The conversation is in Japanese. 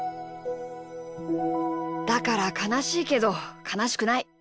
だからかなしいけどかなしくない。